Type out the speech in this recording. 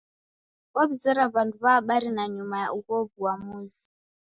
Ow'izera w'andu w'a habari nanyuma ya ugho w'uamuzi.